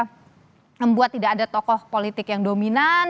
ini mungkin bentuk prabowo ingin membuat tidak ada tokoh politik yang diberikan